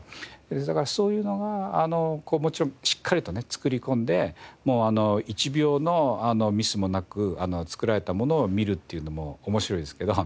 だからそういうのがもちろんしっかりとね作り込んでもう１秒のミスもなく作られたものを見るっていうのも面白いんですけど。